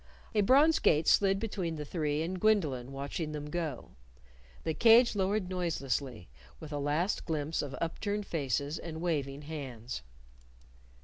A bronze gate slid between the three and Gwendolyn, watching them go. The cage lowered noiselessly, with a last glimpse of upturned faces and waving hands.